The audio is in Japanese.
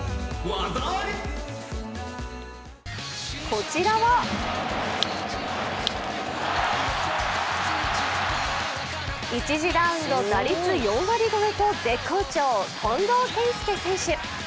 こちらは１次ラウンド打率４割超えと絶好調、近藤健介選手。